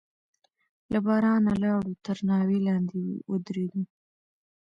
له بارانه لاړو، تر ناوې لاندې ودرېدو.